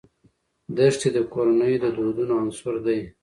دښتې د کورنیو د دودونو عنصر دی.